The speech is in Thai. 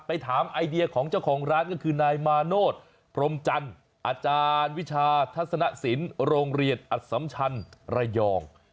ถามไอเดียของเจ้าของร้านก็คือนายมาโนธพรมจันทร์อาจารย์วิชาทัศนสินโรงเรียนอสัมชันระยอง